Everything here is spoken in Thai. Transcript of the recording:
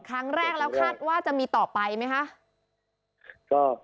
ครั้งแรกแล้วคาดว่าจะมีต่อไปไหมคะ